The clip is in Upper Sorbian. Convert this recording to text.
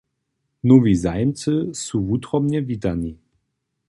Nowi zajimcy su wutrobnje witani.